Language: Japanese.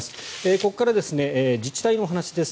ここから自治体のお話です。